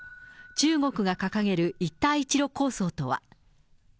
そもそも中国が掲げる一帯一路構想とは。